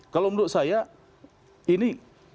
kalau menurut saya ini